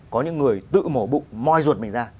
có những người tự mổ bụng moi ruột mình ra